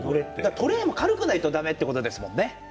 トレーも軽くないとだめということですね。